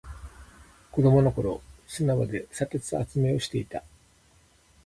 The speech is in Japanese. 子供の頃、砂場で砂鉄集めをしていた。